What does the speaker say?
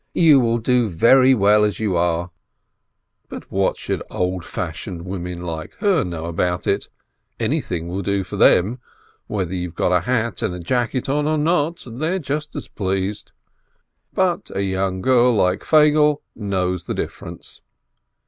You will do very well as you are." But what should old fashioned women like her know about it ? Anything will do for them. Whether you've a hat and jacket on or not, they're just as pleased. But a young girl like Feigele knows the difference.